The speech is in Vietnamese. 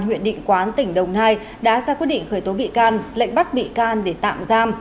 huyện định quán tỉnh đồng nai đã ra quyết định khởi tố bị can lệnh bắt bị can để tạm giam